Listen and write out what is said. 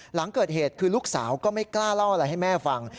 หลังเกิดเหตุคือลูกสาวก็ไม่กล้าเล่าอะไรให้แม่ฟัง